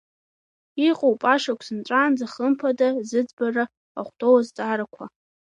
Иҟоуп ашықәс нҵәаанӡа хымԥада зыӡбара ахәҭоу азҵаарақәа.